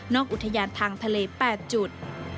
อุทยานทางทะเล๘จุด